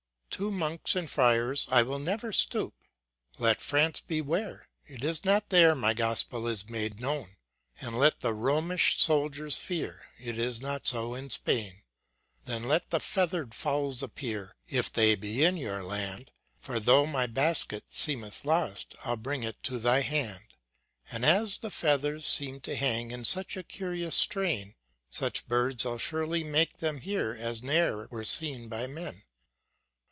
" To monks and friars I will never stoop : Let France beware, it is not there My Gospel is made known ; And let the Romish soldiers fear, It is not so in Spain. Then let the feather'd fowls appear, If they be in your land j For though thy basket seemeth !o~,t, i I'll bring it to thy hand : And as the feathers seem'd to hang In such a curious strain, Such birds I'll surely make them here As ne'er were seen by men.